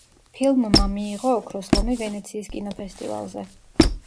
ფილმმა მიიღო ოქროს ლომი ვენეციის კინოფესტივალზე.